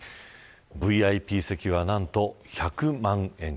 ＶＩＰ席は何と１００万円。